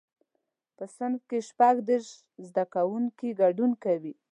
په صنف کې شپږ دیرش زده کوونکي ګډون کوي.